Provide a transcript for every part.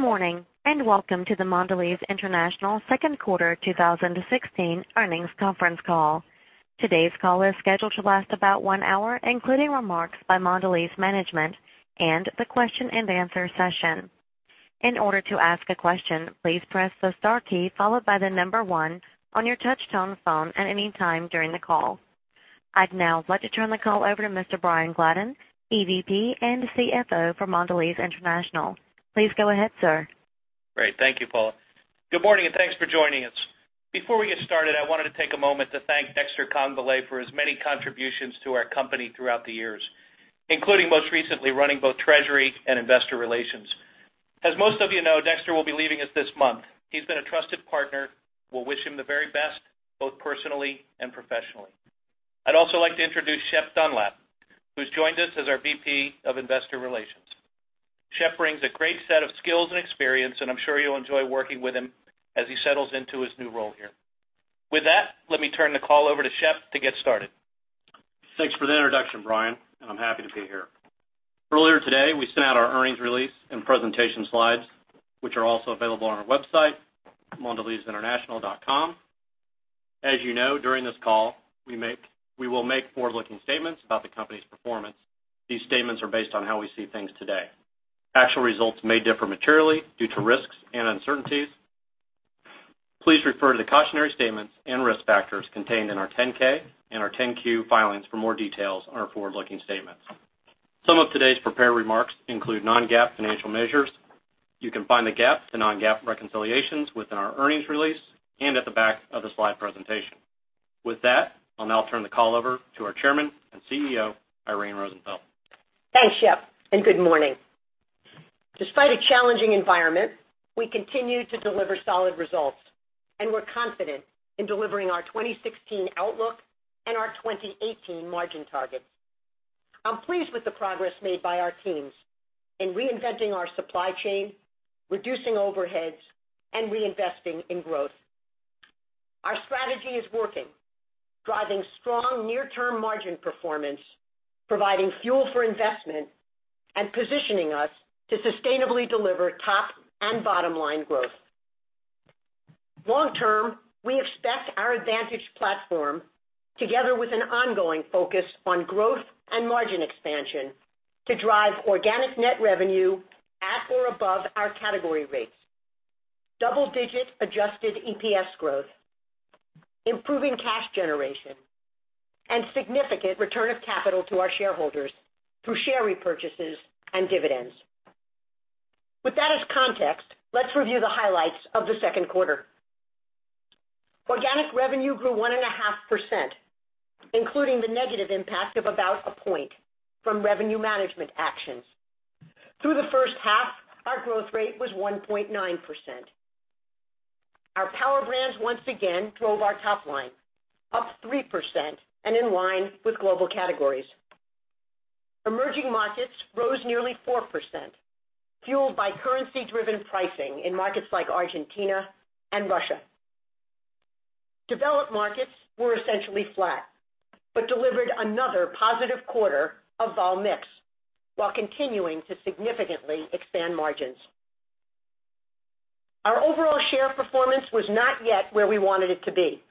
Good morning, and welcome to the Mondelēz International second quarter 2016 earnings conference call. Today's call is scheduled to last about one hour, including remarks by Mondelēz management and the question and answer session. In order to ask a question, please press the star key followed by the number one on your touch-tone phone at any time during the call. I'd now like to turn the call over to Mr. Brian Gladden, EVP and CFO for Mondelēz International. Please go ahead, sir. Great. Thank you, Paula. Good morning. Thanks for joining us. Before we get started, I wanted to take a moment to thank Dexter Congbalay for his many contributions to our company throughout the years, including, most recently, running both Treasury and Investor Relations. As most of you know, Dexter will be leaving us this month. He's been a trusted partner. We'll wish him the very best, both personally and professionally. I'd also like to introduce Shep Dunlap, who's joined us as our VP of Investor Relations. Shep brings a great set of skills and experience, and I'm sure you'll enjoy working with him as he settles into his new role here. With that, let me turn the call over to Shep to get started. Thanks for the introduction, Brian. I'm happy to be here. Earlier today, we sent out our earnings release and presentation slides, which are also available on our website, mondelezinternational.com. As you know, during this call, we will make forward-looking statements about the company's performance. These statements are based on how we see things today. Actual results may differ materially due to risks and uncertainties. Please refer to the cautionary statements and risk factors contained in our 10-K and our 10-Q filings for more details on our forward-looking statements. Some of today's prepared remarks include non-GAAP financial measures. You can find the GAAP to non-GAAP reconciliations within our earnings release and at the back of the slide presentation. With that, I'll now turn the call over to our Chairman and CEO, Irene Rosenfeld. Thanks, Shep. Good morning. Despite a challenging environment, we continue to deliver solid results, and we're confident in delivering our 2016 outlook and our 2018 margin targets. I'm pleased with the progress made by our teams in reinventing our supply chain, reducing overheads, and reinvesting in growth. Our strategy is working, driving strong near-term margin performance, providing fuel for investment, and positioning us to sustainably deliver top and bottom-line growth. Long term, we expect our advantage platform, together with an ongoing focus on growth and margin expansion, to drive organic net revenue at or above our category rates, double-digit adjusted EPS growth, improving cash generation, and significant return of capital to our shareholders through share repurchases and dividends. With that as context, let's review the highlights of the second quarter. Organic revenue grew 1.5%, including the negative impact of about a point from revenue management actions. Through the first half, our growth rate was 1.9%. Our Power Brands once again drove our top line, up 3% and in line with global categories. Emerging markets rose nearly 4%, fueled by currency-driven pricing in markets like Argentina and Russia. Developed markets were essentially flat, but delivered another positive quarter of vol mix while continuing to significantly expand margins. Our overall share performance was not yet where we wanted it to be,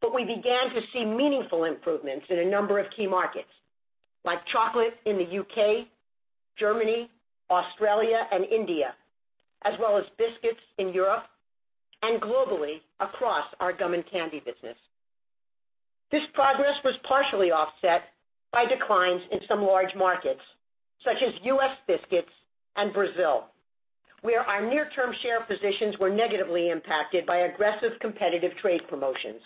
but we began to see meaningful improvements in a number of key markets, like chocolate in the U.K., Germany, Australia, and India, as well as biscuits in Europe, and globally across our gum and candy business. This progress was partially offset by declines in some large markets, such as U.S. biscuits and Brazil, where our near-term share positions were negatively impacted by aggressive competitive trade promotions.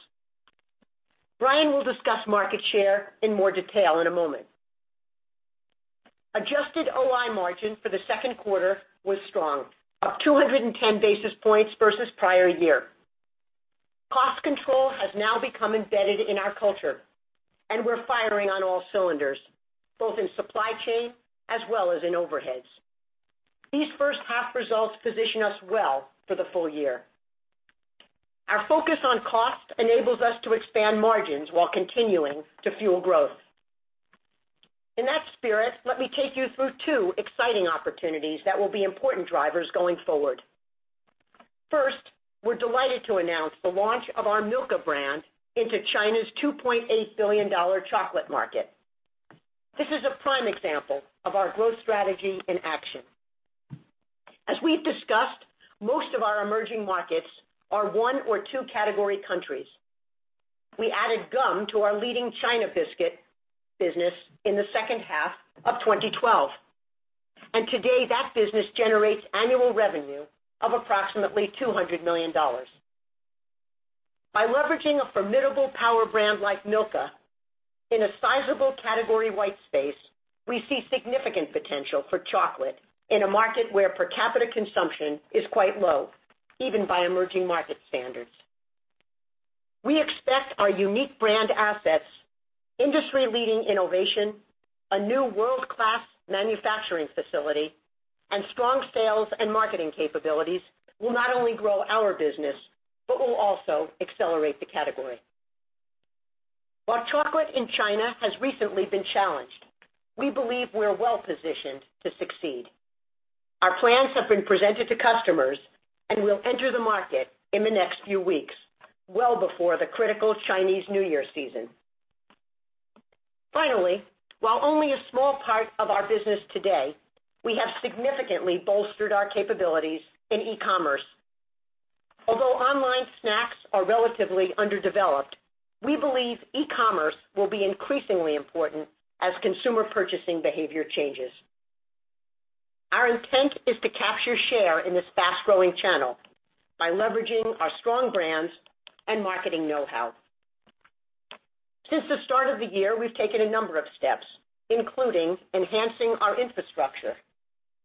Brian will discuss market share in more detail in a moment. Adjusted OI margin for the second quarter was strong, up 210 basis points versus prior year. Cost control has now become embedded in our culture, and we're firing on all cylinders, both in supply chain as well as in overheads. These first half results position us well for the full year. Our focus on cost enables us to expand margins while continuing to fuel growth. In that spirit, let me take you through two exciting opportunities that will be important drivers going forward. First, we're delighted to announce the launch of our Milka brand into China's $2.8 billion chocolate market. This is a prime example of our growth strategy in action. As we've discussed, most of our emerging markets are one or two category countries. We added gum to our leading China biscuit business in the second half of 2012, and today that business generates annual revenue of approximately $200 million. By leveraging a formidable Power Brand like Milka in a sizable category white space, we see significant potential for chocolate in a market where per capita consumption is quite low, even by emerging market standards. We expect our unique brand assets, industry-leading innovation, a new world-class manufacturing facility, and strong sales and marketing capabilities will not only grow our business, but will also accelerate the category. While chocolate in China has recently been challenged, we believe we're well-positioned to succeed. Our plans have been presented to customers, and we'll enter the market in the next few weeks, well before the critical Chinese New Year season. Finally, while only a small part of our business today, we have significantly bolstered our capabilities in e-commerce. Although online snacks are relatively underdeveloped, we believe e-commerce will be increasingly important as consumer purchasing behavior changes. Our intent is to capture share in this fast-growing channel by leveraging our strong brands and marketing know-how. Since the start of the year, we've taken a number of steps, including enhancing our infrastructure,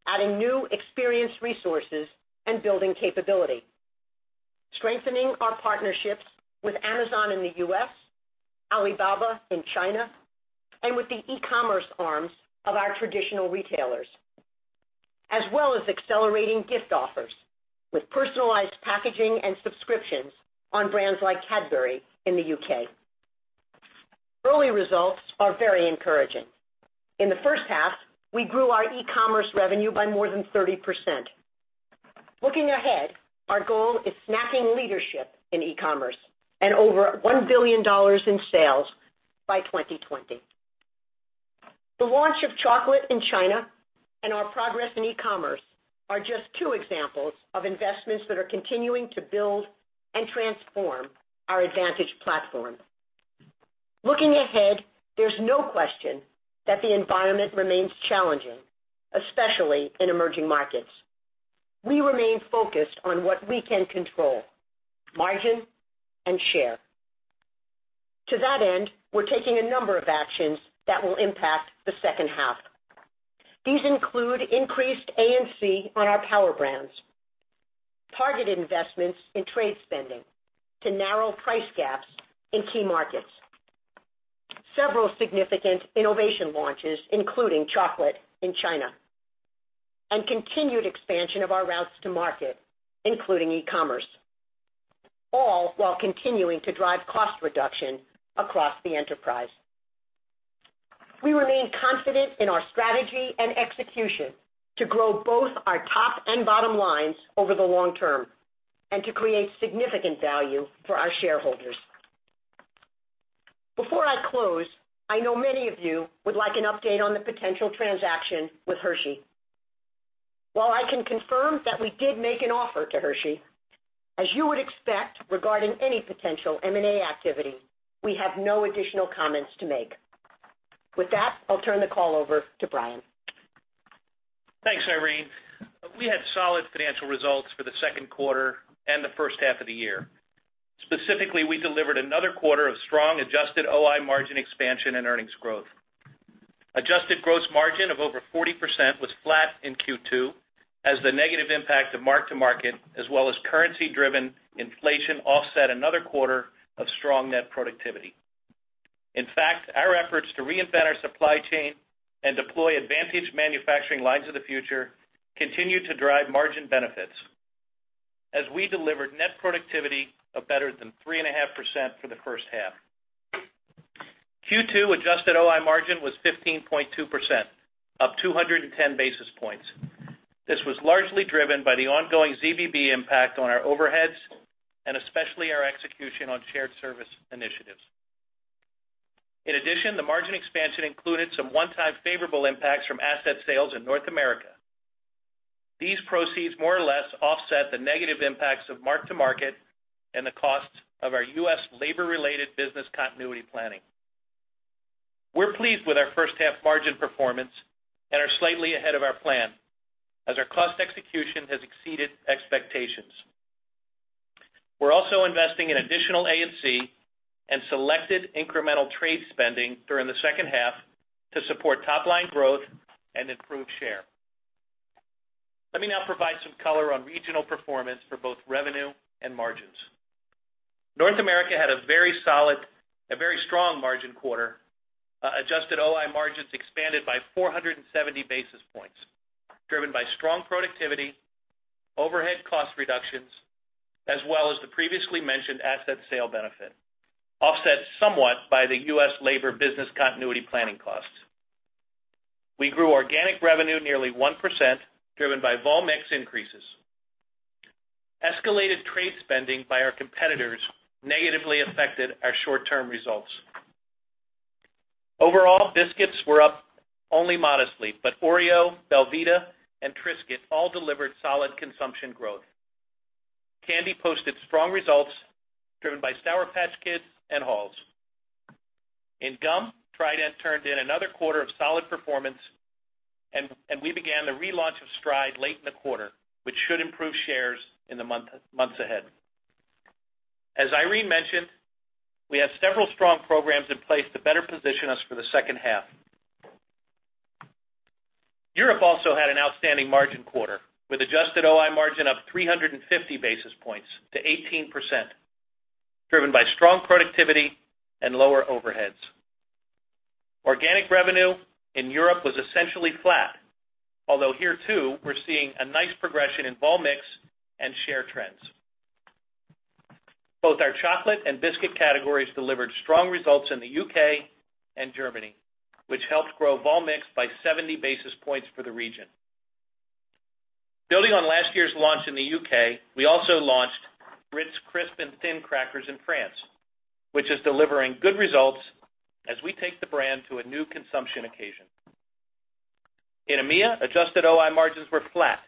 adding new experienced resources, and building capability. Strengthening our partnerships with Amazon in the U.S., Alibaba in China, and with the e-commerce arms of our traditional retailers. As well as accelerating gift offers with personalized packaging and subscriptions on brands like Cadbury in the U.K. Early results are very encouraging. In the first half, we grew our e-commerce revenue by more than 30%. Looking ahead, our goal is snacking leadership in e-commerce and over $1 billion in sales by 2020. The launch of chocolate in China and our progress in e-commerce are just two examples of investments that are continuing to build and transform our advantage platform. Looking ahead, there's no question that the environment remains challenging, especially in emerging markets. We remain focused on what we can control, margin and share. To that end, we're taking a number of actions that will impact the second half. These include increased A&C on our Power Brands, target investments in trade spending to narrow price gaps in key markets. Several significant innovation launches, including chocolate in China, and continued expansion of our routes to market, including e-commerce, all while continuing to drive cost reduction across the enterprise. We remain confident in our strategy and execution to grow both our top and bottom lines over the long term, and to create significant value for our shareholders. Before I close, I know many of you would like an update on the potential transaction with Hershey. I can confirm that we did make an offer to Hershey, as you would expect regarding any potential M&A activity, we have no additional comments to make. With that, I'll turn the call over to Brian. Thanks, Irene. We had solid financial results for the second quarter and the first half of the year. Specifically, we delivered another quarter of strong adjusted OI margin expansion and earnings growth. Adjusted gross margin of over 40% was flat in Q2 as the negative impact of mark-to-market as well as currency-driven inflation offset another quarter of strong net productivity. In fact, our efforts to reinvent our supply chain and deploy advantage manufacturing lines of the future continue to drive margin benefits as we delivered net productivity of better than 3.5% for the first half. Q2 adjusted OI margin was 15.2%, up 210 basis points. This was largely driven by the ongoing ZBB impact on our overheads and especially our execution on shared service initiatives. In addition, the margin expansion included some one-time favorable impacts from asset sales in North America. These proceeds more or less offset the negative impacts of mark-to-market and the costs of our U.S. labor-related business continuity planning. We're pleased with our first-half margin performance and are slightly ahead of our plan as our cost execution has exceeded expectations. We're also investing in additional A&C and selected incremental trade spending during the second half to support top-line growth and improve share. Let me now provide some color on regional performance for both revenue and margins. North America had a very strong margin quarter. Adjusted OI margins expanded by 470 basis points, driven by strong productivity, overhead cost reductions, as well as the previously mentioned asset sale benefit, offset somewhat by the U.S. labor business continuity planning costs. We grew organic revenue nearly 1%, driven by vol mix increases. Escalated trade spending by our competitors negatively affected our short-term results. Overall, biscuits were up only modestly, Oreo, belVita, and Triscuit all delivered solid consumption growth. Candy posted strong results driven by Sour Patch Kids and Halls. In gum, Trident turned in another quarter of solid performance, and we began the relaunch of Stride late in the quarter, which should improve shares in the months ahead. As Irene mentioned, we have several strong programs in place to better position us for the second half. Europe also had an outstanding margin quarter, with adjusted OI margin up 350 basis points to 18%, driven by strong productivity and lower overheads. Organic revenue in Europe was essentially flat, although here too, we're seeing a nice progression in vol mix and share trends. Both our chocolate and biscuit categories delivered strong results in the U.K. and Germany, which helped grow vol mix by 70 basis points for the region. Building on last year's launch in the U.K., we also launched Ritz Crisp & Thins crackers in France, which is delivering good results as we take the brand to a new consumption occasion. In EMEA, adjusted OI margins were flat,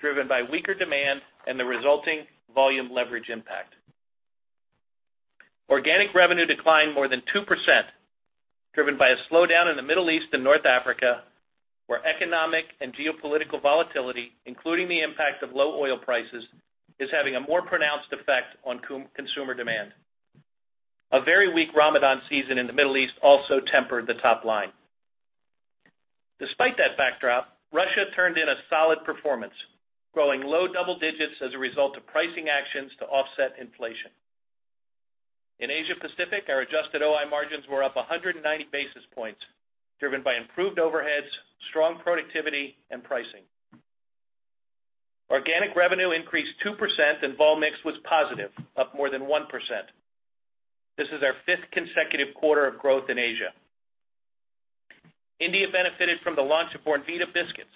driven by weaker demand and the resulting volume leverage impact. Organic revenue declined more than 2%, driven by a slowdown in the Middle East and North Africa, where economic and geopolitical volatility, including the impact of low oil prices, is having a more pronounced effect on consumer demand. A very weak Ramadan season in the Middle East also tempered the top line. Despite that backdrop, Russia turned in a solid performance, growing low double digits as a result of pricing actions to offset inflation. In Asia Pacific, our adjusted OI margins were up 190 basis points, driven by improved overheads, strong productivity, and pricing. Organic revenue increased 2%, and vol mix was positive, up more than 1%. This is our fifth consecutive quarter of growth in Asia. India benefited from the launch of belVita Biscuits,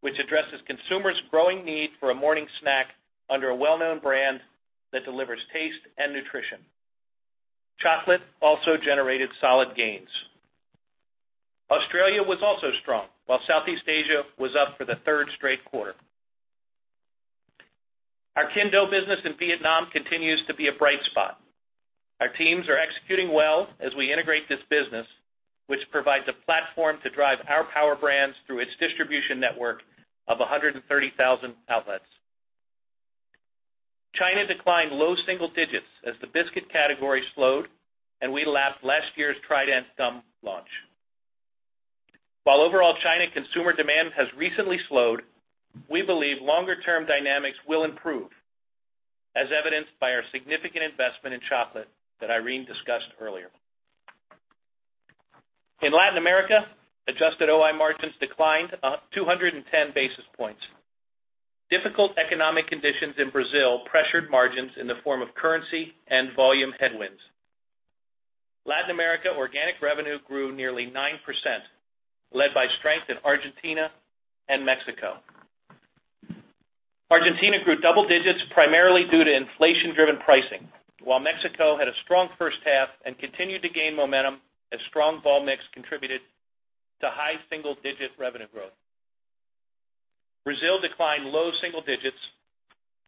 which addresses consumers' growing need for a morning snack under a well-known brand that delivers taste and nutrition. Chocolate also generated solid gains. Australia was also strong, while Southeast Asia was up for the third straight quarter. Our Kinh Do business in Vietnam continues to be a bright spot. Our teams are executing well as we integrate this business, which provides a platform to drive our Power Brands through its distribution network of 130,000 outlets. China declined low single digits as the biscuit category slowed, and we lapped last year's Trident Gum launch. While overall China consumer demand has recently slowed, we believe longer-term dynamics will improve, as evidenced by our significant investment in chocolate that Irene discussed earlier. In Latin America, adjusted OI margins declined 210 basis points. Difficult economic conditions in Brazil pressured margins in the form of currency and volume headwinds. Latin America organic revenue grew nearly 9%, led by strength in Argentina and Mexico. Argentina grew double digits primarily due to inflation-driven pricing, while Mexico had a strong first half and continued to gain momentum as strong vol mix contributed to high single-digit revenue growth. Brazil declined low single digits,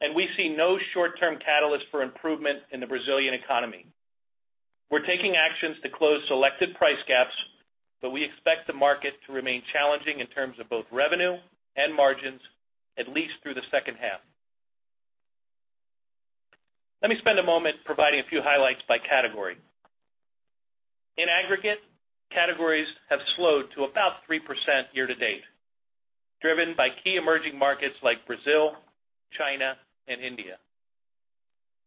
and we see no short-term catalyst for improvement in the Brazilian economy. We're taking actions to close selected price gaps, but we expect the market to remain challenging in terms of both revenue and margins, at least through the second half. Let me spend a moment providing a few highlights by category. In aggregate, categories have slowed to about 3% year to date, driven by key emerging markets like Brazil, China, and India.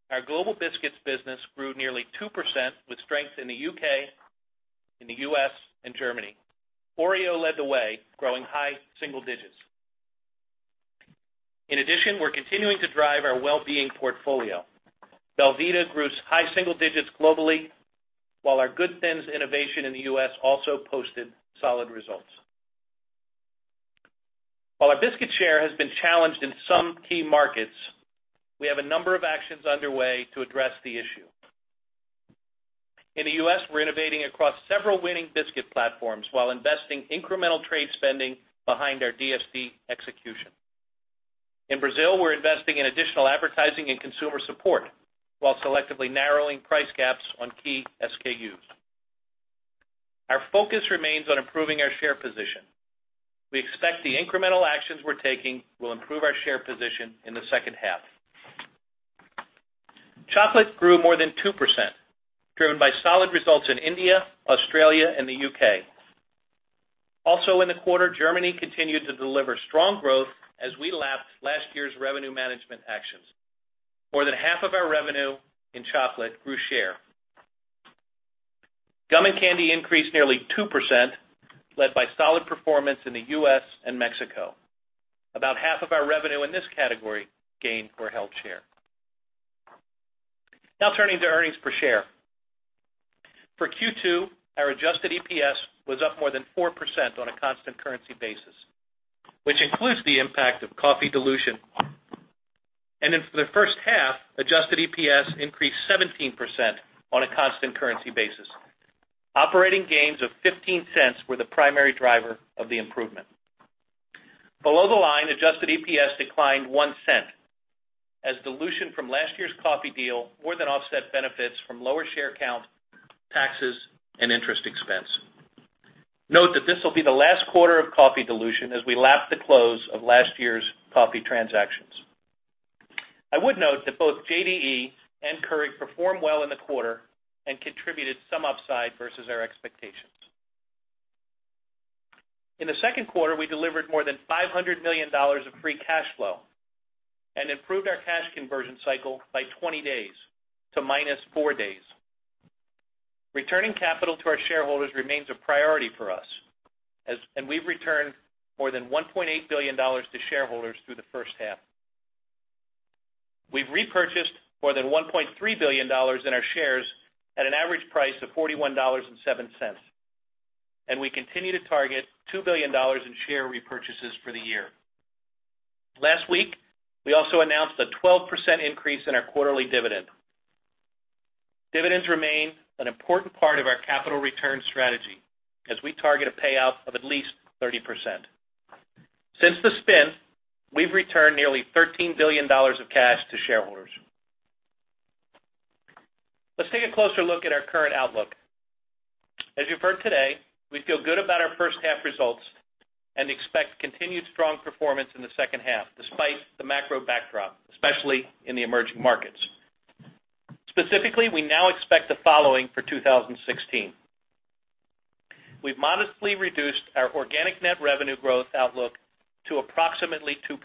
Our global biscuits business grew nearly 2% with strength in the U.K., in the U.S., and Germany. Oreo led the way, growing high single digits. In addition, we're continuing to drive our wellbeing portfolio. belVita grew high single digits globally, while our GOOD THiNS innovation in the U.S. also posted solid results. While our biscuit share has been challenged in some key markets, we have a number of actions underway to address the issue. In the U.S., we're innovating across several winning biscuit platforms while investing incremental trade spending behind our DSD execution. In Brazil, we're investing in additional advertising and consumer support while selectively narrowing price gaps on key SKUs. Our focus remains on improving our share position. We expect the incremental actions we're taking will improve our share position in the second half. Chocolate grew more than 2%, driven by solid results in India, Australia, and the U.K. Also in the quarter, Germany continued to deliver strong growth as we lapped last year's revenue management actions. More than half of our revenue in chocolate grew share. Gum and candy increased nearly 2%, led by solid performance in the U.S. and Mexico. About half of our revenue in this category gained or held share. Now turning to earnings per share. For Q2, our adjusted EPS was up more than 4% on a constant currency basis, which includes the impact of coffee dilution. For the first half, adjusted EPS increased 17% on a constant currency basis. Operating gains of $0.15 were the primary driver of the improvement. Below the line, adjusted EPS declined $0.01 as dilution from last year's coffee deal more than offset benefits from lower share count, taxes, and interest expense. Note that this will be the last quarter of coffee dilution as we lap the close of last year's coffee transactions. I would note that both JDE and Keurig performed well in the quarter and contributed some upside versus our expectations. In the second quarter, we delivered more than $500 million of free cash flow and improved our cash conversion cycle by 20 days to minus four days. Returning capital to our shareholders remains a priority for us. We've returned more than $1.8 billion to shareholders through the first half. We've repurchased more than $1.3 billion in our shares at an average price of $41.07. We continue to target $2 billion in share repurchases for the year. Last week, we also announced a 12% increase in our quarterly dividend. Dividends remain an important part of our capital return strategy as we target a payout of at least 30%. Since the spin, we've returned nearly $13 billion of cash to shareholders. Let's take a closer look at our current outlook. As you've heard today, we feel good about our first half results and expect continued strong performance in the second half, despite the macro backdrop, especially in the emerging markets. Specifically, we now expect the following for 2016. We've modestly reduced our organic net revenue growth outlook to approximately 2%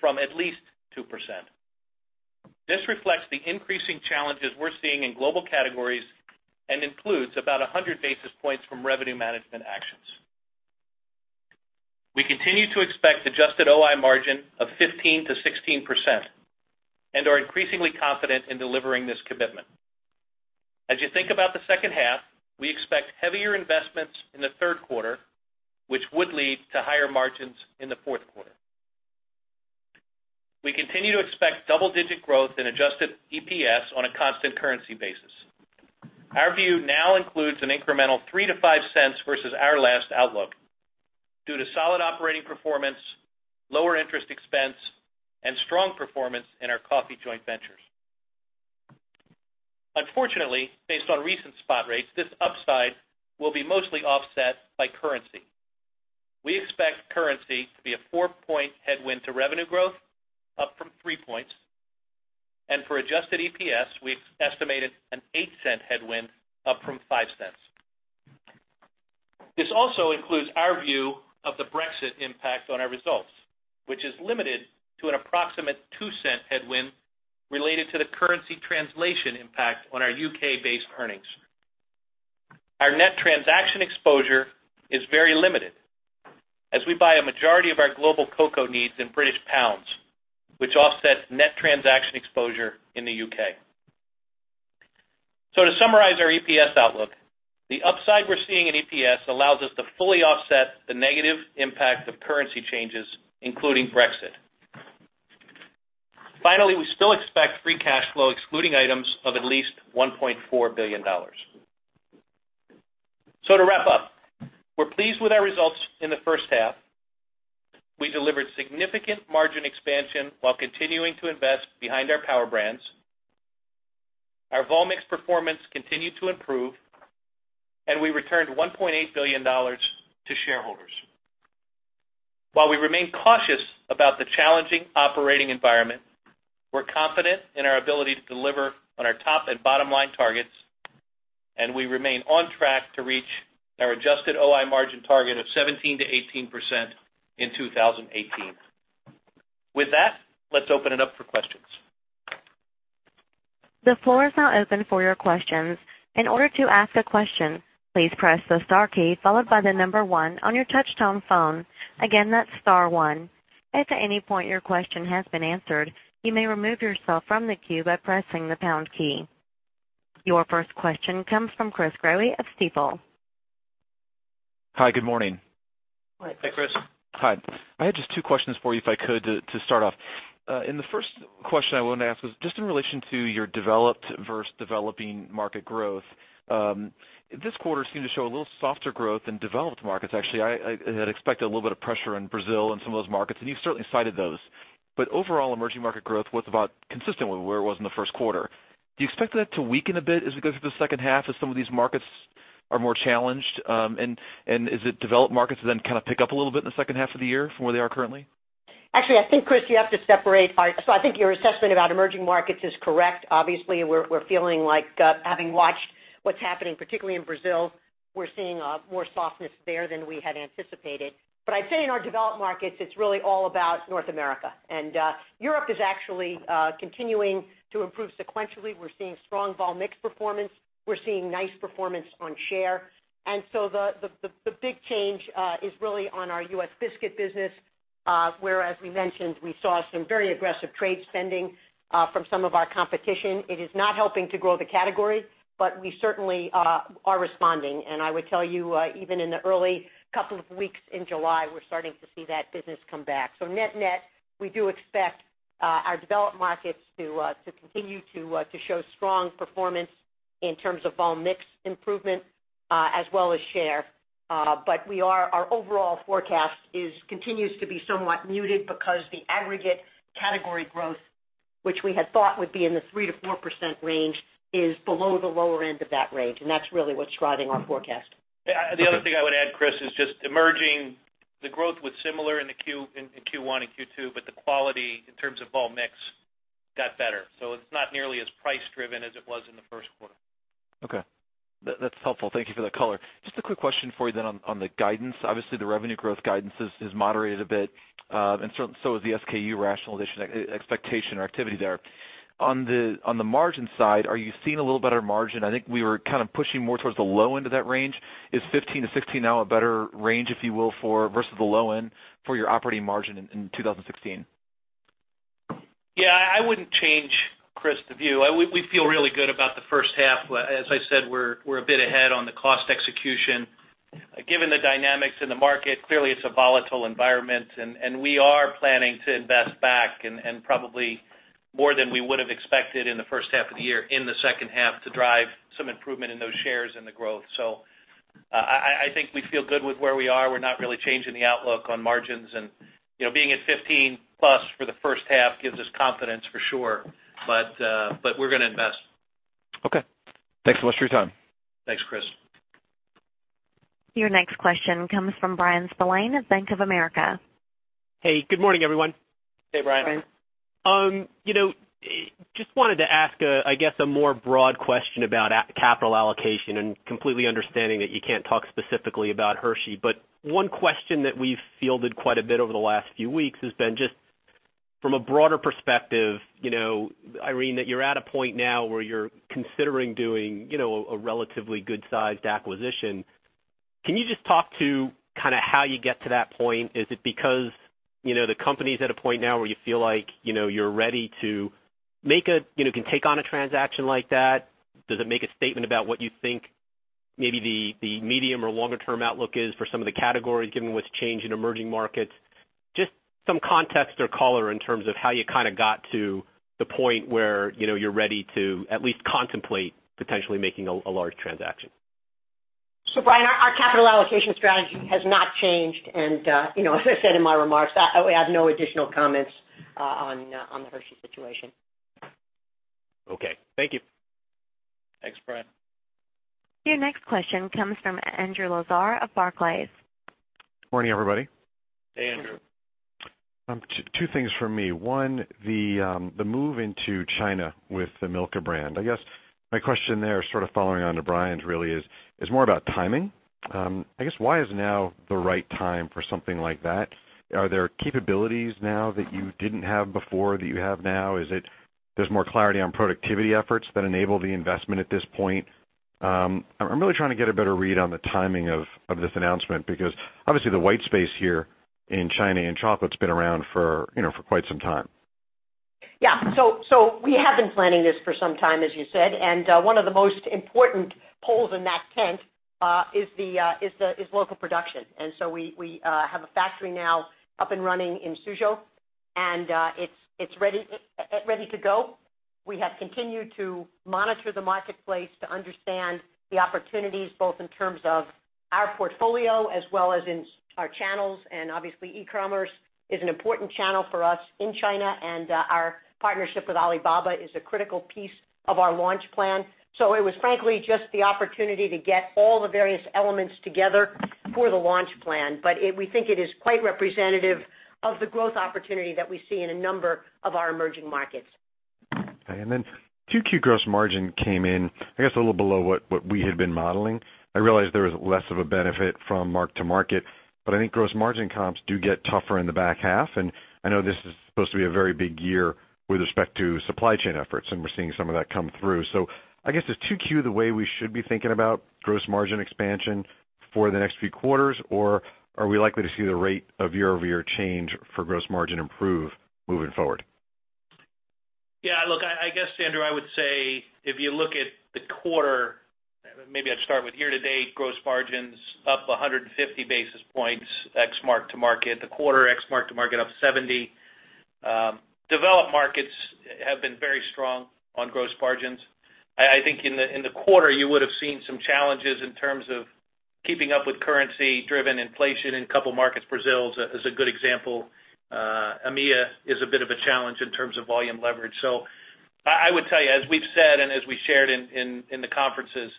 from at least 2%. This reflects the increasing challenges we're seeing in global categories and includes about 100 basis points from revenue management actions. We continue to expect adjusted OI margin of 15%-16% and are increasingly confident in delivering this commitment. As you think about the second half, we expect heavier investments in the third quarter, which would lead to higher margins in the fourth quarter. We continue to expect double-digit growth in adjusted EPS on a constant currency basis. Our view now includes an incremental $0.03-$0.05 versus our last outlook due to solid operating performance, lower interest expense, and strong performance in our coffee joint ventures. Unfortunately, based on recent spot rates, this upside will be mostly offset by currency. We expect currency to be a four-point headwind to revenue growth, up from three points, and for adjusted EPS, we estimated an $0.08 headwind up from $0.05. This also includes our view of the Brexit impact on our results, which is limited to an approximate $0.02 headwind related to the currency translation impact on our U.K.-based earnings. Our net transaction exposure is very limited as we buy a majority of our global cocoa needs in British pounds, which offsets net transaction exposure in the U.K. To summarize our EPS outlook, the upside we're seeing in EPS allows us to fully offset the negative impact of currency changes, including Brexit. Finally, we still expect free cash flow excluding items of at least $1.4 billion. To wrap up, we're pleased with our results in the first half. We delivered significant margin expansion while continuing to invest behind our Power Brands. Our volume-mix performance continued to improve, and we returned $1.8 billion to shareholders. While we remain cautious about the challenging operating environment, we're confident in our ability to deliver on our top and bottom-line targets, and we remain on track to reach our adjusted OI margin target of 17%-18% in 2018. With that, let's open it up for questions. The floor is now open for your questions. In order to ask a question, please press the star key followed by the number one on your touch-tone phone. Again, that's star one. If at any point your question has been answered, you may remove yourself from the queue by pressing the pound key. Your first question comes from Chris Growe of Stifel. Hi, good morning. Hi, Chris. Hi. I had just two questions for you, if I could, to start off. The first question I wanted to ask was just in relation to your developed versus developing market growth. This quarter seemed to show a little softer growth in developed markets. Actually, I had expected a little bit of pressure in Brazil and some of those markets, and you've certainly cited those. Overall, emerging market growth was about consistent with where it was in the first quarter. Do you expect that to weaken a bit as we go through the second half as some of these markets are more challenged? Is it developed markets then kind of pick up a little bit in the second half of the year from where they are currently? Actually, I think, Chris, I think your assessment about emerging markets is correct. Obviously, we're feeling like having watched what's happening, particularly in Brazil, we're seeing more softness there than we had anticipated. I'd say in our developed markets, it's really all about North America. Europe is actually continuing to improve sequentially. We're seeing strong volume-mix performance. We're seeing nice performance on share. The big change is really on our U.S. biscuit business where, as we mentioned, we saw some very aggressive trade spending from some of our competition. It is not helping to grow the category, we certainly are responding. I would tell you, even in the early couple of weeks in July, we're starting to see that business come back. Net-net, we do expect our developed markets to continue to show strong performance in terms of volume-mix improvement as well as share. Our overall forecast continues to be somewhat muted because the aggregate category growth, which we had thought would be in the 3%-4% range, is below the lower end of that range, that's really what's driving our forecast. The other thing I would add, Chris, is emerging. The growth was similar in Q1 and Q2, but the quality in terms of volume mix got better. It's not nearly as price-driven as it was in the first quarter. Okay. That's helpful. Thank you for that color. Just a quick question for you then on the guidance. Obviously, the revenue growth guidance has moderated a bit, and so has the SKU rationalization expectation or activity there. On the margin side, are you seeing a little better margin? I think we were pushing more towards the low end of that range. Is 15%-16% now a better range, if you will, versus the low end for your operating margin in 2016? Yeah, I wouldn't change, Chris, the view. We feel really good about the first half. As I said, we're a bit ahead on the cost execution. Given the dynamics in the market, clearly, it's a volatile environment. We are planning to invest back and probably more than we would have expected in the first half of the year, in the second half to drive some improvement in those shares and the growth. I think we feel good with where we are. We're not really changing the outlook on margins. Being at 15% plus for the first half gives us confidence for sure. We're going to invest. Okay. Thanks so much for your time. Thanks, Chris. Your next question comes from Bryan Spillane of Bank of America. Hey, good morning, everyone. Hey, Bryan. Wanted to ask, I guess, a more broad question about capital allocation and completely understanding that you can't talk specifically about Hershey. One question that we've fielded quite a bit over the last few weeks has been just from a broader perspective, Irene, that you're at a point now where you're considering doing a relatively good-sized acquisition. Can you just talk to how you get to that point? Is it because the company's at a point now where you feel like you're ready to take on a transaction like that? Does it make a statement about what you think maybe the medium- or longer-term outlook is for some of the categories, given what's changed in emerging markets? Just some context or color in terms of how you got to the point where you're ready to at least contemplate potentially making a large transaction. Bryan, our capital allocation strategy has not changed. As I said in my remarks, I have no additional comments on the Hershey situation. Okay. Thank you. Thanks, Bryan. Your next question comes from Andrew Lazar of Barclays. Morning, everybody. Hey, Andrew. Two things for me. One, the move into China with the Milka brand. I guess my question there, sort of following on to Bryan's really is more about timing. I guess why is now the right time for something like that? Are there capabilities now that you didn't have before that you have now? Is it there's more clarity on productivity efforts that enable the investment at this point? I'm really trying to get a better read on the timing of this announcement, because obviously the white space here in China in chocolate's been around for quite some time. We have been planning this for some time, as you said, and one of the most important poles in that tent is local production. We have a factory now up and running in Suzhou, and it's ready to go. We have continued to monitor the marketplace to understand the opportunities, both in terms of our portfolio as well as in our channels. Obviously, e-commerce is an important channel for us in China, and our partnership with Alibaba is a critical piece of our launch plan. It was frankly just the opportunity to get all the various elements together for the launch plan. We think it is quite representative of the growth opportunity that we see in a number of our emerging markets. Okay, 2Q gross margin came in, I guess, a little below what we had been modeling. I realize there was less of a benefit from mark-to-market. I think gross margin comps do get tougher in the back half, and I know this is supposed to be a very big year with respect to supply chain efforts, and we're seeing some of that come through. I guess is 2Q the way we should be thinking about gross margin expansion for the next few quarters, or are we likely to see the rate of year-over-year change for gross margin improve moving forward? Yeah, look, I guess, Andrew, I would say if you look at the quarter, maybe I'd start with year-to-date gross margins up 150 basis points ex mark-to-market, the quarter ex mark-to-market up 70. Developed markets have been very strong on gross margins. I think in the quarter, you would have seen some challenges in terms of keeping up with currency driven inflation in a couple markets. Brazil is a good example. EMEA is a bit of a challenge in terms of volume leverage. I would tell you, as we've said, and as we shared in the conferences,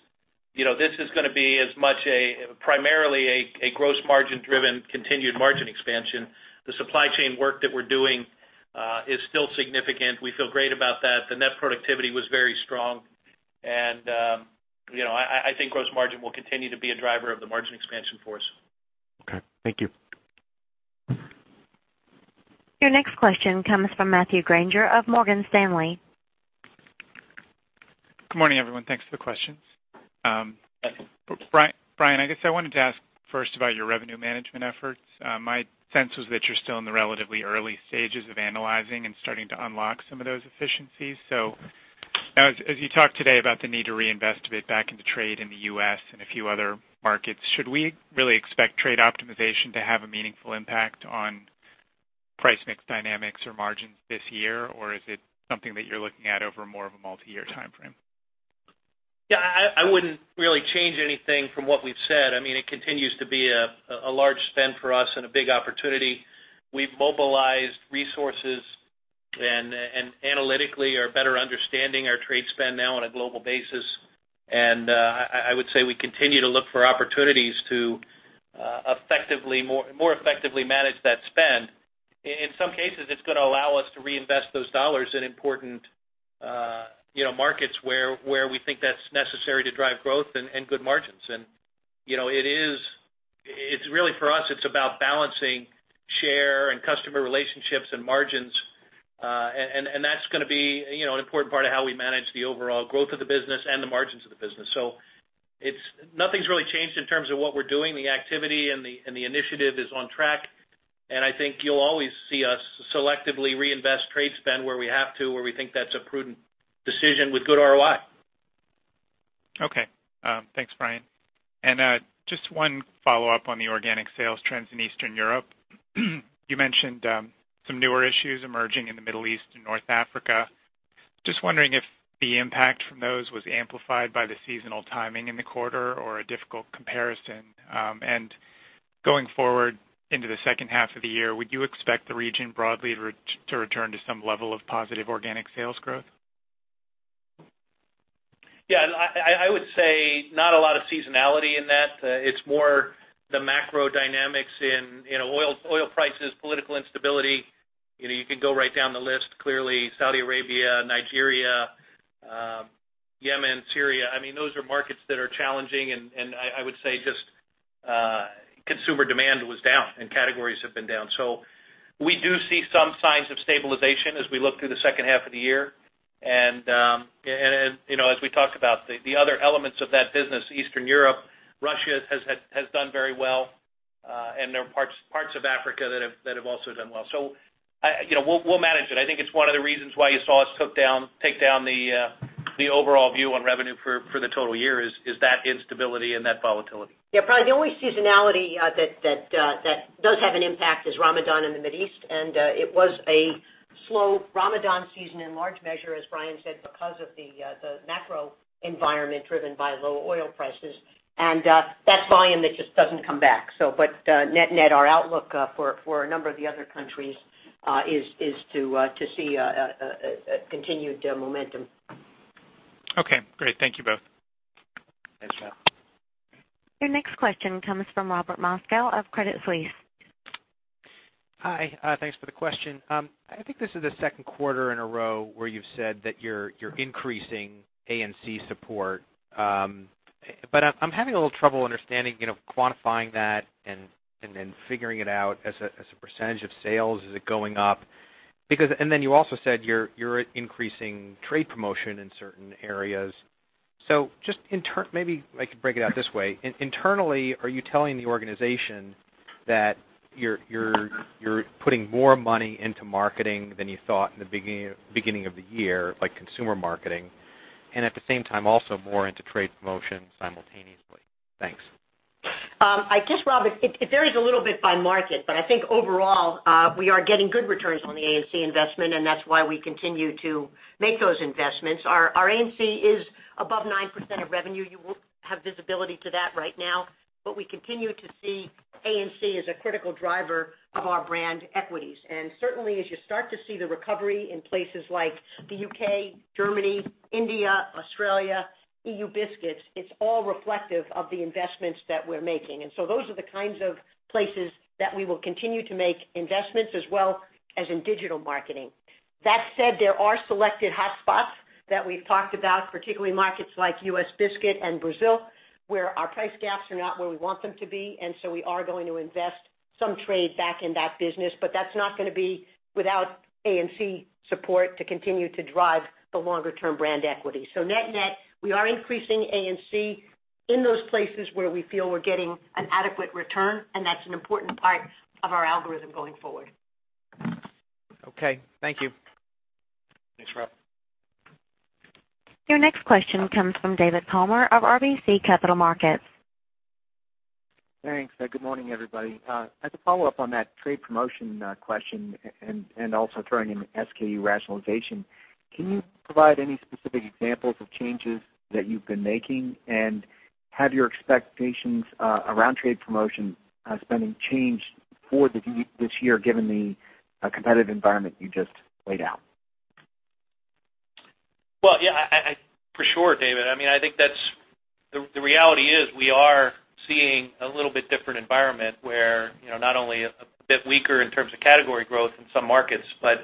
this is going to be as much a primarily a gross margin driven, continued margin expansion. The supply chain work that we're doing is still significant. We feel great about that. The net productivity was very strong. I think gross margin will continue to be a driver of the margin expansion for us. Okay. Thank you. Your next question comes from Matthew Grainger of Morgan Stanley. Good morning, everyone. Thanks for the questions. Brian, I guess I wanted to ask first about your revenue management efforts. My sense was that you're still in the relatively early stages of analyzing and starting to unlock some of those efficiencies. As you talked today about the need to reinvest a bit back into trade in the U.S. and a few other markets, should we really expect trade optimization to have a meaningful impact on price mix dynamics or margins this year? Is it something that you're looking at over more of a multi-year timeframe? Yeah, I wouldn't really change anything from what we've said. It continues to be a large spend for us and a big opportunity. We've mobilized resources analytically are better understanding our trade spend now on a global basis. I would say we continue to look for opportunities to more effectively manage that spend. In some cases, it's going to allow us to reinvest those dollars in important markets where we think that's necessary to drive growth and good margins. Really for us, it's about balancing share and customer relationships and margins, and that's going to be an important part of how we manage the overall growth of the business and the margins of the business. Nothing's really changed in terms of what we're doing, the activity and the initiative is on track, and I think you'll always see us selectively reinvest trade spend where we have to, where we think that's a prudent decision with good ROI. Okay. Thanks, Brian. Just one follow-up on the organic sales trends in Eastern Europe. You mentioned some newer issues emerging in the Middle East and North Africa. Just wondering if the impact from those was amplified by the seasonal timing in the quarter or a difficult comparison. Going forward into the second half of the year, would you expect the region broadly to return to some level of positive organic sales growth? Yeah, I would say not a lot of seasonality in that. It's more the macro dynamics in oil prices, political instability. You can go right down the list. Clearly, Saudi Arabia, Nigeria, Yemen, Syria, those are markets that are challenging, and I would say just consumer demand was down and categories have been down. We do see some signs of stabilization as we look through the second half of the year. As we talked about, the other elements of that business, Eastern Europe, Russia has done very well, and there are parts of Africa that have also done well. We'll manage it. I think it's one of the reasons why you saw us take down the overall view on revenue for the total year is that instability and that volatility. Yeah, probably the only seasonality that does have an impact is Ramadan in the Middle East, and it was a slow Ramadan season in large measure, as Brian said, because of the macro environment driven by low oil prices, and that's volume that just doesn't come back. Net our outlook for a number of the other countries is to see a continued momentum. Okay, great. Thank you both. Thanks, Scott. Your next question comes from Robert Moskow of Credit Suisse. Hi. Thanks for the question. I think this is the second quarter in a row where you've said that you're increasing A&C support. I'm having a little trouble understanding quantifying that and then figuring it out as a percentage of sales. Is it going up? You also said you're increasing trade promotion in certain areas. Maybe I could break it out this way. Internally, are you telling the organization that you're putting more money into marketing than you thought in the beginning of the year, like consumer marketing, and at the same time, also more into trade promotion simultaneously? Thanks. I guess, Robert, it varies a little bit by market, but I think overall, we are getting good returns on the A&C investment, and that's why we continue to make those investments. Our A&C is above 9% of revenue. You won't have visibility to that right now, but we continue to see A&C as a critical driver of our brand equities. Certainly, as you start to see the recovery in places like the U.K., Germany, India, Australia, EU biscuits, it's all reflective of the investments that we're making. Those are the kinds of places that we will continue to make investments as well as in digital marketing. That said, there are selected hotspots that we've talked about, particularly markets like U.S. biscuit and Brazil, where our price gaps are not where we want them to be, and so we are going to invest some trade back in that business, but that's not going to be without A&C support to continue to drive the longer-term brand equity. Net, we are increasing A&C in those places where we feel we're getting an adequate return, and that's an important part of our algorithm going forward. Okay. Thank you. Thanks, Rob. Your next question comes from David Palmer of RBC Capital Markets. Thanks. Good morning, everybody. As a follow-up on that trade promotion question and also throwing in SKU rationalization, can you provide any specific examples of changes that you've been making? Have your expectations around trade promotion spending changed for this year given the competitive environment you just laid out? Well, yeah, for sure, David. I think the reality is we are seeing a little bit different environment where not only a bit weaker in terms of category growth in some markets, but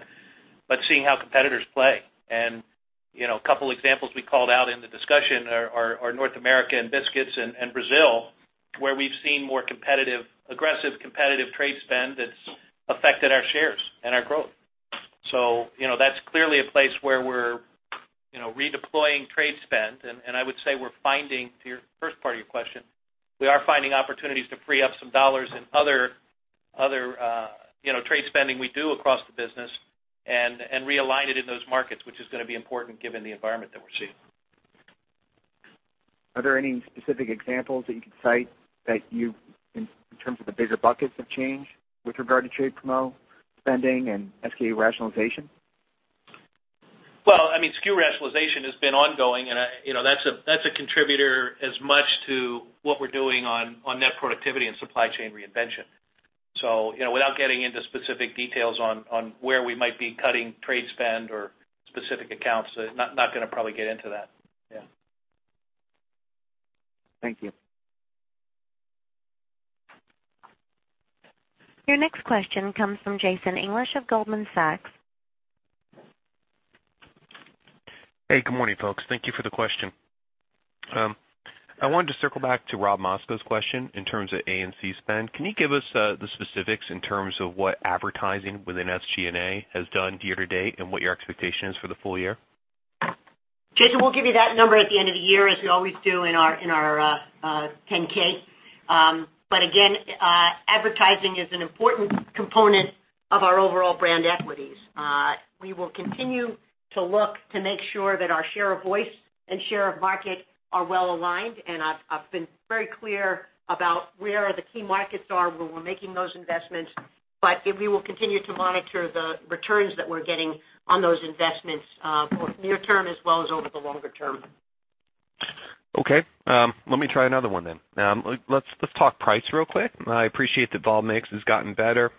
seeing how competitors play. A couple examples we called out in the discussion are North America and biscuits and Brazil, where we've seen more aggressive competitive trade spend that's affected our shares and our growth. That's clearly a place where we're redeploying trade spend, and I would say we're finding, to your first part of your question, we are finding opportunities to free up some dollars in other trade spending we do across the business and realign it in those markets, which is going to be important given the environment that we're seeing. Are there any specific examples that you can cite in terms of the bigger buckets of change with regard to trade promo spending and SKU rationalization? Well, SKU rationalization has been ongoing, that's a contributor as much to what we're doing on net productivity and supply chain reinvention. Without getting into specific details on where we might be cutting trade spend or specific accounts, not going to probably get into that. Yeah. Thank you. Your next question comes from Jason English of Goldman Sachs. Hey, good morning, folks. Thank you for the question. I wanted to circle back to Rob Moskow's question in terms of A&C spend. Can you give us the specifics in terms of what advertising within SG&A has done year to date and what your expectation is for the full year? Jason, we'll give you that number at the end of the year as we always do in our 10-K. Again, advertising is an important component of our overall brand equities. We will continue to look to make sure that our share of voice and share of market are well aligned. I've been very clear about where the key markets are, where we're making those investments. We will continue to monitor the returns that we're getting on those investments for near term as well as over the longer term. Okay. Let me try another one then. Let's talk price real quick. I appreciate that volume mix has gotten better.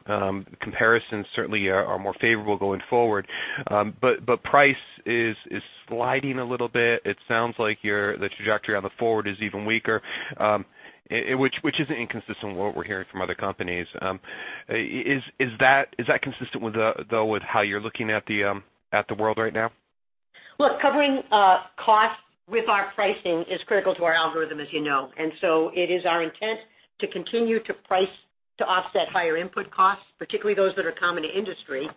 Comparisons certainly are more favorable going forward. Price is sliding a little bit. It sounds like the trajectory on the forward is even weaker, which isn't inconsistent with what we're hearing from other companies. Is that consistent with how you're looking at the world right now? Look, covering cost with our pricing is critical to our algorithm, as you know. It is our intent to continue to price to offset higher input costs, particularly those that are common to industry.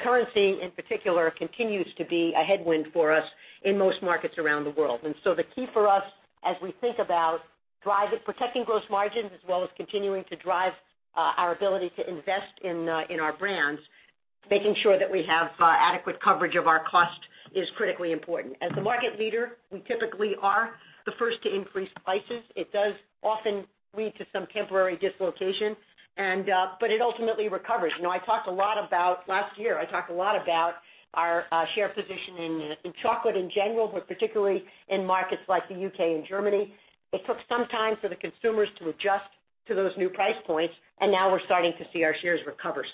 Currency, in particular, continues to be a headwind for us in most markets around the world. The key for us as we think about protecting gross margins as well as continuing to drive our ability to invest in our brands, making sure that we have adequate coverage of our cost is critically important. As the market leader, we typically are the first to increase prices. It does often lead to some temporary dislocation. It ultimately recovers. Last year, I talked a lot about our share position in chocolate in general, but particularly in markets like the U.K. and Germany. It took some time for the consumers to adjust to those new price points, and now we're starting to see our shares recover.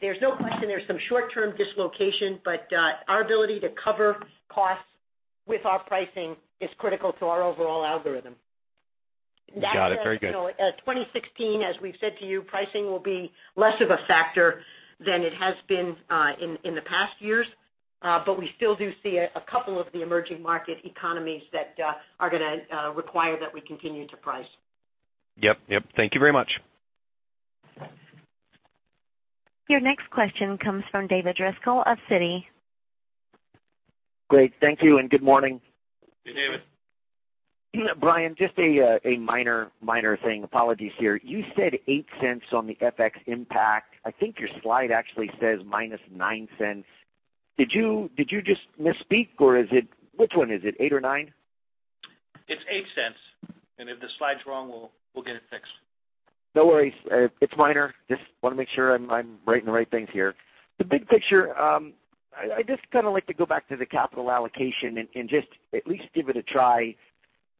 There's no question there's some short-term dislocation, but our ability to cover costs with our pricing is critical to our overall algorithm. Got it. Very good. 2016, as we've said to you, pricing will be less of a factor than it has been in the past years. We still do see a couple of the emerging market economies that are going to require that we continue to price. Yep. Thank you very much. Your next question comes from David Driscoll of Citi. Great. Thank you and good morning. Hey, David. Brian, just a minor thing. Apologies here. You said $0.08 on the FX impact. I think your slide actually says -$0.09. Did you just misspeak or which one is it, eight or nine? It's $0.08. If the slide's wrong, we'll get it fixed. No worries. It's minor. Just want to make sure I'm writing the right things here. The big picture, I just like to go back to the capital allocation and just at least give it a try,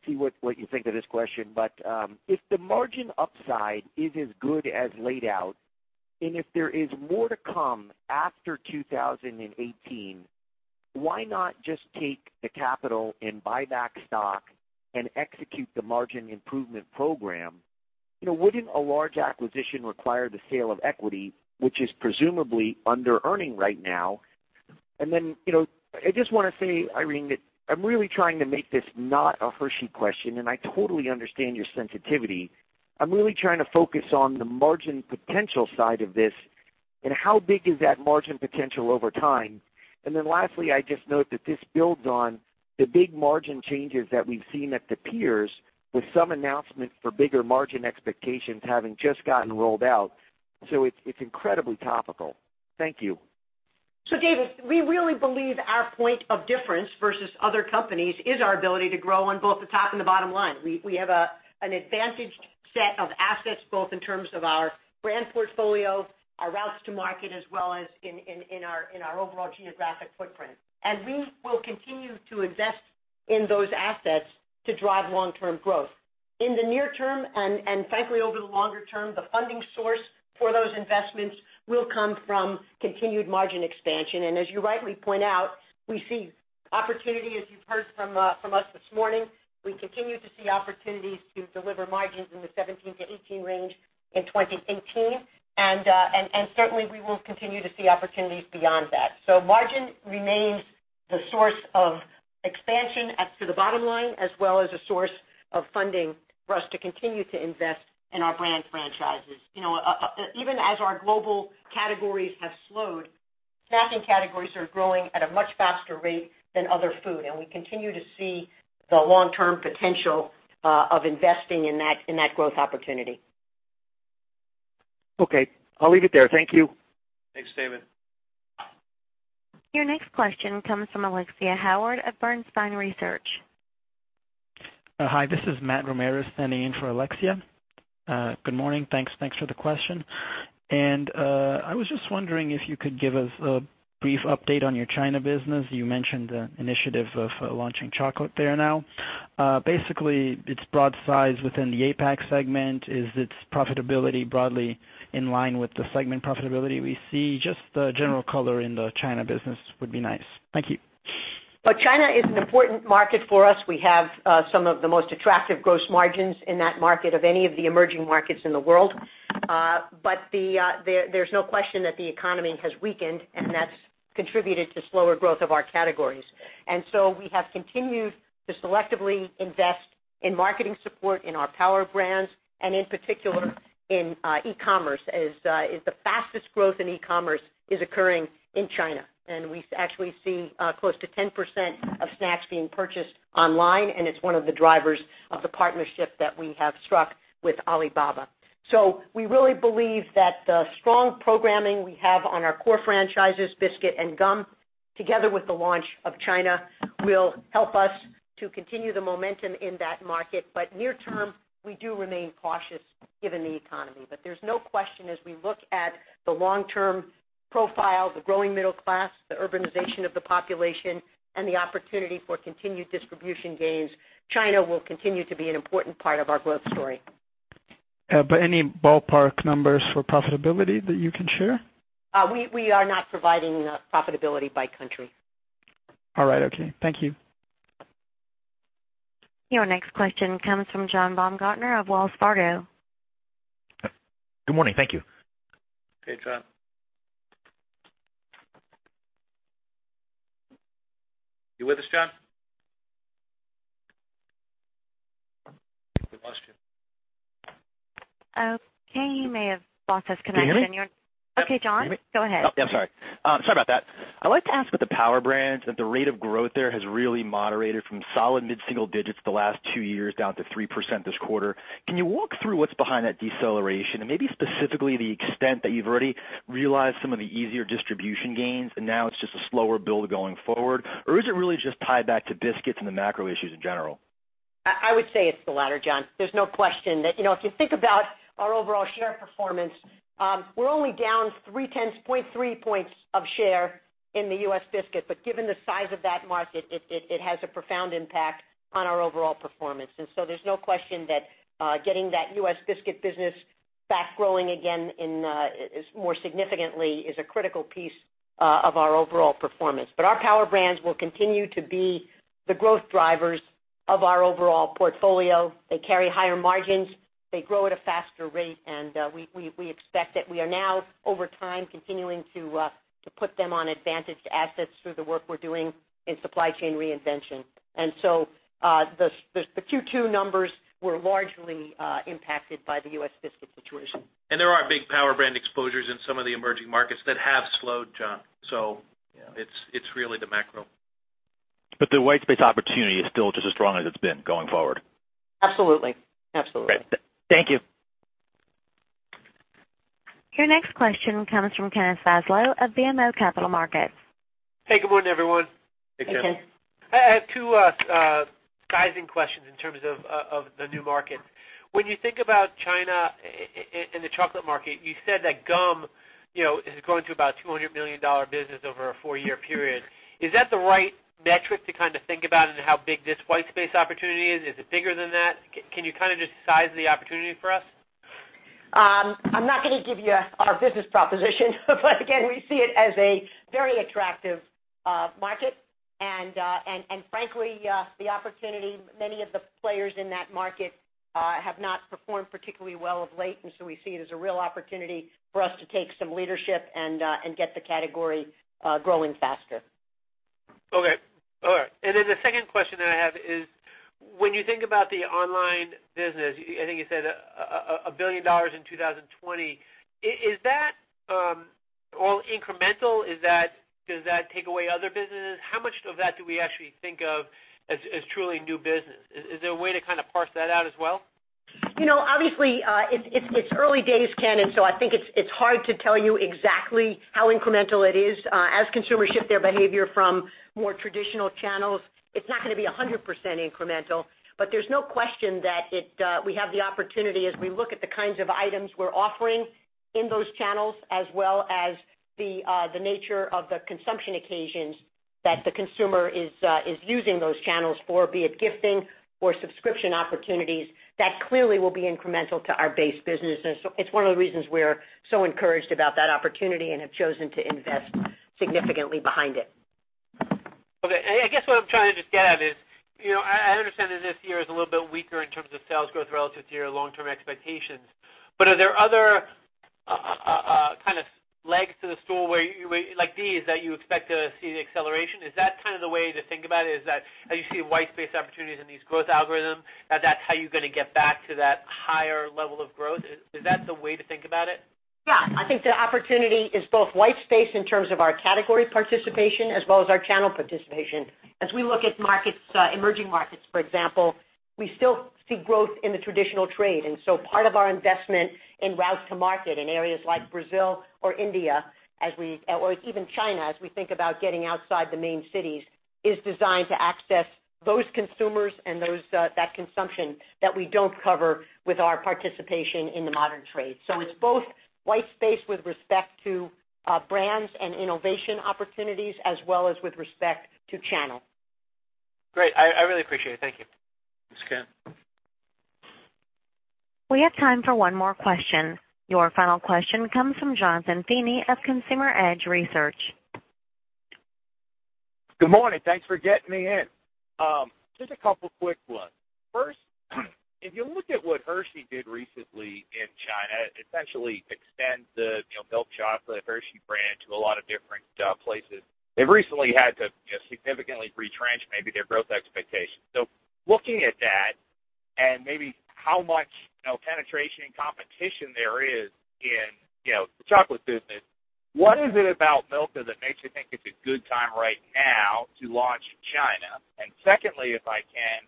see what you think of this question. If the margin upside is as good as laid out, and if there is more to come after 2018, why not just take the capital and buy back stock and execute the margin improvement program? Wouldn't a large acquisition require the sale of equity, which is presumably under earning right now? I just want to say, Irene, that I'm really trying to make this not a Hershey question, and I totally understand your sensitivity. I'm really trying to focus on the margin potential side of this and how big is that margin potential over time. Lastly, I just note that this builds on the big margin changes that we've seen at the peers with some announcements for bigger margin expectations having just gotten rolled out. It's incredibly topical. Thank you. David, we really believe our point of difference versus other companies is our ability to grow on both the top and the bottom line. We have an advantaged set of assets, both in terms of our brand portfolio, our routes to market, as well as in our overall geographic footprint. We will continue to invest in those assets to drive long-term growth. In the near term, and frankly, over the longer term, the funding source for those investments will come from continued margin expansion. As you rightly point out, we see opportunity, as you've heard from us this morning. We continue to see opportunities to deliver margins in the 17%-18% range in 2018. Certainly, we will continue to see opportunities beyond that. Margin remains the source of expansion as to the bottom line, as well as a source of funding for us to continue to invest in our brand franchises. Even as our global categories have slowed, snacking categories are growing at a much faster rate than other food, we continue to see the long-term potential of investing in that growth opportunity. Okay. I'll leave it there. Thank you. Thanks, David. Your next question comes from Alexia Howard of Bernstein Research. Hi, this is Matt Romariz standing in for Alexia. Good morning. Thanks for the question. I was just wondering if you could give us a brief update on your China business. You mentioned the initiative of launching chocolate there now. Basically, its broad size within the APAC segment. Is its profitability broadly in line with the segment profitability we see? Just the general color in the China business would be nice. Thank you. China is an important market for us. We have some of the most attractive gross margins in that market of any of the emerging markets in the world. There's no question that the economy has weakened, and that's contributed to slower growth of our categories. We have continued to selectively invest in marketing support in our Power Brands and in particular in e-commerce, as the fastest growth in e-commerce is occurring in China. We actually see close to 10% of snacks being purchased online, and it's one of the drivers of the partnership that we have struck with Alibaba. We really believe that the strong programming we have on our core franchises, biscuit and gum, together with the launch of China, will help us to continue the momentum in that market. Near term, we do remain cautious given the economy. There's no question, as we look at the long-term profile, the growing middle class, the urbanization of the population, and the opportunity for continued distribution gains, China will continue to be an important part of our growth story. Any ballpark numbers for profitability that you can share? We are not providing profitability by country. All right. Okay. Thank you. Your next question comes from John Baumgartner of Wells Fargo. Good morning. Thank you. Hey, John. You with us, John? We lost you. Okay, you may have lost our connection. Can you hear me? Okay, John, go ahead. I'm sorry. Sorry about that. I'd like to ask about the Power Brands, that the rate of growth there has really moderated from solid mid-single digits the last two years down to 3% this quarter. Can you walk through what's behind that deceleration and maybe specifically the extent that you've already realized some of the easier distribution gains, and now it's just a slower build going forward? Or is it really just tied back to biscuits and the macro issues in general? I would say it's the latter, John. There's no question that if you think about our overall share performance, we're only down 0.3, 0.3 points of share in the U.S. biscuit, but given the size of that market, it has a profound impact on our overall performance. There's no question that getting that U.S. biscuit business back growing again more significantly is a critical piece of our overall performance. Our Power Brands will continue to be the growth drivers of our overall portfolio. They carry higher margins. They grow at a faster rate, and we expect that we are now over time continuing to put them on advantage assets through the work we're doing in supply chain reinvention. The Q2 numbers were largely impacted by the U.S. biscuit situation. There are big Power Brand exposures in some of the emerging markets that have slowed, John. It's really the macro. The white space opportunity is still just as strong as it's been going forward. Absolutely. Great. Thank you. Your next question comes from Ken Zaslow of BMO Capital Markets. Hey, good morning, everyone. Hey, Ken. I have two sizing questions in terms of the new market. When you think about China and the chocolate market, you said that gum is growing to about a $200 million business over a four-year period. Is that the right metric to think about in how big this white space opportunity is? Is it bigger than that? Can you just size the opportunity for us? I'm not going to give you our business proposition, but again, we see it as a very attractive market, and frankly, the opportunity, many of the players in that market have not performed particularly well of late. We see it as a real opportunity for us to take some leadership and get the category growing faster. Okay. All right. The second question that I have is, when you think about the online business, I think you said $1 billion in 2020. Is that all incremental? Does that take away other businesses? How much of that do we actually think of as truly new business? Is there a way to parse that out as well? Obviously, it's early days, Ken, I think it's hard to tell you exactly how incremental it is. As consumers shift their behavior from more traditional channels, it's not going to be 100% incremental, but there's no question that we have the opportunity as we look at the kinds of items we're offering in those channels, as well as the nature of the consumption occasions that the consumer is using those channels for, be it gifting or subscription opportunities. That clearly will be incremental to our base business. It's one of the reasons we're so encouraged about that opportunity and have chosen to invest significantly behind it. Okay. I guess what I'm trying to just get at is, I understand that this year is a little bit weaker in terms of sales growth relative to your long-term expectations, are there other legs to the stool like these that you expect to see the acceleration? Is that the way to think about it, is that as you see white space opportunities in these growth algorithms, that's how you're going to get back to that higher level of growth? Is that the way to think about it? I think the opportunity is both white space in terms of our category participation as well as our channel participation. As we look at emerging markets, for example, we still see growth in the traditional trade. Part of our investment in routes to market in areas like Brazil or India or even China, as we think about getting outside the main cities, is designed to access those consumers and that consumption that we don't cover with our participation in the modern trade. It's both white space with respect to brands and innovation opportunities as well as with respect to channel. Great. I really appreciate it. Thank you. Thanks, Ken. We have time for one more question. Your final question comes from Jonathan Feeney of Consumer Edge Research. Good morning. Thanks for getting me in. Just a couple quick ones. First, if you look at what Hershey did recently in China, essentially extend the milk chocolate Hershey brand to a lot of different places. They've recently had to significantly retrench maybe their growth expectations. Looking at that and maybe how much penetration and competition there is in the chocolate business, what is it about Milka that makes you think it's a good time right now to launch in China? Secondly, if I can,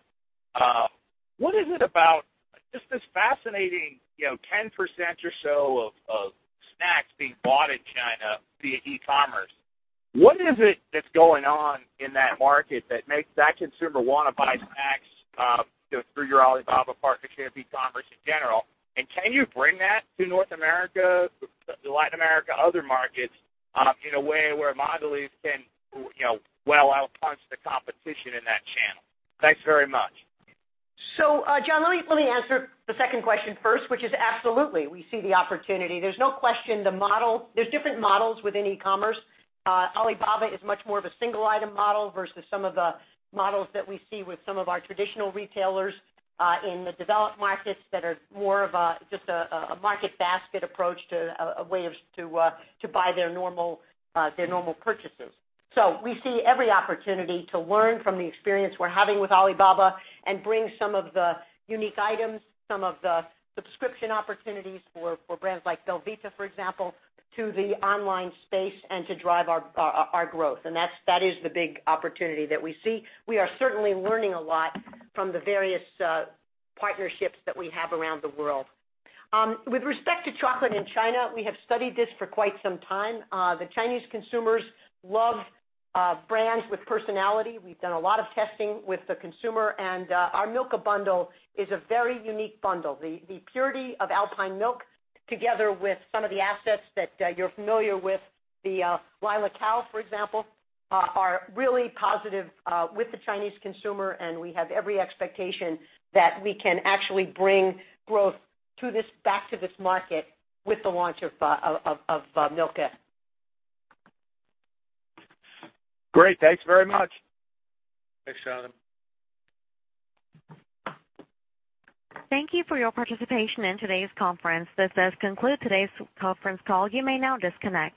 what is it about just this fascinating 10% or so of snacks being bought in China via e-commerce. What is it that's going on in that market that makes that consumer want to buy snacks through your Alibaba partnership, e-commerce in general? Can you bring that to North America, Latin America, other markets, in a way where Mondelēz can well out-punch the competition in that channel? Thanks very much. Jon, let me answer the second question first, which is absolutely, we see the opportunity. There's no question there's different models within e-commerce. Alibaba is much more of a single item model versus some of the models that we see with some of our traditional retailers in the developed markets that are more of just a market basket approach to a way to buy their normal purchases. We see every opportunity to learn from the experience we're having with Alibaba and bring some of the unique items, some of the subscription opportunities for brands like belVita, for example, to the online space and to drive our growth. That is the big opportunity that we see. We are certainly learning a lot from the various partnerships that we have around the world. With respect to chocolate in China, we have studied this for quite some time. The Chinese consumers love brands with personality. We've done a lot of testing with the consumer, and our Milka bundle is a very unique bundle. The purity of Alpine milk, together with some of the assets that you're familiar with, the Lila cow, for example, are really positive with the Chinese consumer, and we have every expectation that we can actually bring growth back to this market with the launch of Milka. Great. Thanks very much. Thanks, Jonathan. Thank you for your participation in today's conference. This does conclude today's conference call. You may now disconnect.